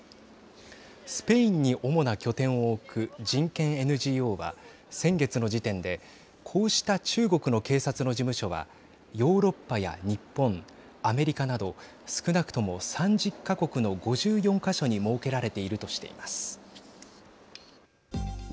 スペインに主な拠点を置く人権ＮＧＯは先月の時点でこうした中国の警察の事務所はヨーロッパや日本アメリカなど少なくとも３０か国の５４か所に設けられているとしています。